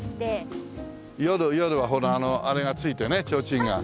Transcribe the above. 夜夜はほらあれがついてねちょうちんが。